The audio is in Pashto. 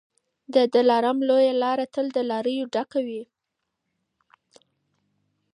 د دلارام لویه لاره تل له لاریو ډکه وي.